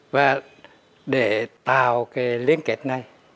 và để tạo cái liên kết này